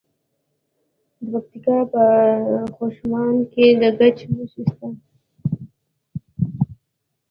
د پکتیکا په خوشامند کې د ګچ نښې شته.